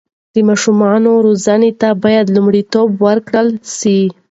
د ماشومانو روزنې ته باید لومړیتوب ورکړل سي.